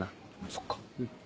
そっか。